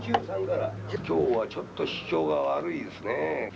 今日はちょっと市場が悪いですね。